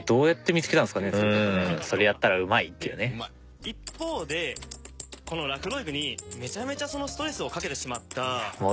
で一方でこのラフロイグにめちゃめちゃストレスをかけてしまった。